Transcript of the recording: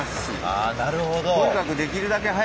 あなるほど。